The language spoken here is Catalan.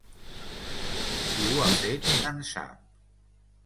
Qui ho ha fet en sap.